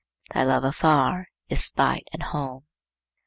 Thy love afar is spite at home.